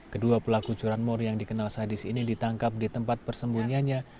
kedua pelaku curanmor yang dikenal sadis ini ditangkap di tempat persembunyiannya